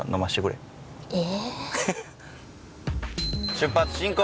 出発進行！